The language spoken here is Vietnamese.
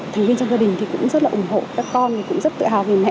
thành viên trong gia đình thì cũng rất là ủng hộ các con cũng rất tự hào về mẹ